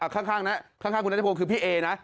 ข้างคุณนัทยาโพงคือพี่เอนะ